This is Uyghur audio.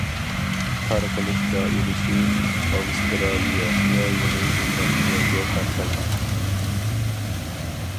تارقىلىش دائىرىسى : ئاۋسترالىيە ۋە يېڭى زېلاندىيەگە تارقالغان.